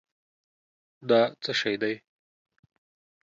دا څه شی دی؟